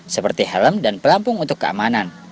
seperti helm dan pelampung untuk keamanan